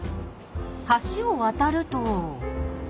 ［橋を渡ると］